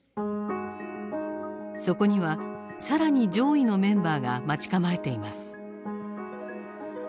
そこには更に上位のメンバーが待ち構えています。